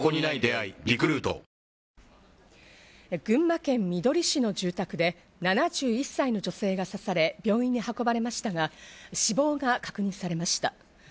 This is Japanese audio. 群馬県みどり市の住宅で、７１歳の女性が刺され病院に運ばれましたが死亡が確認されました。